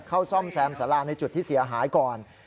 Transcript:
ซ่อมแซมสาราในจุดที่เสียหายก่อน